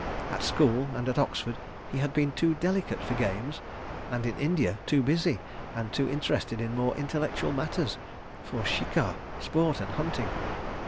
At school and at Oxford he had been too delicate for games, and in India, too busy, and too interested in more intellectual matters, for shikar, sport and hunting.